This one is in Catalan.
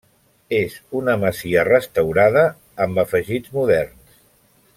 És una masia restaurada amb afegits moderns.